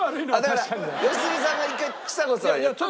だから良純さんが１回ちさ子さんを。